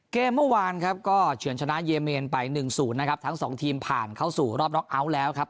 เกมเมื่อวานครับก็เฉินชนะเยเมนไป๑๐นะครับทั้ง๒ทีมผ่านเข้าสู่รอบล็อกอัวต์แล้วครับ